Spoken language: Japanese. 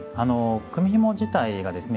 組みひも自体がですね